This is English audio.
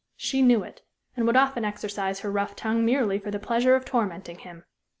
She knew it, and would often exercise her rough tongue merely for the pleasure of tormenting him.